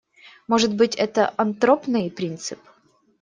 Может быть, это антропный принцип.